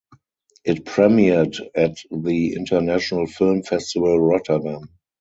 It premiered at the International Film Festival Rotterdam.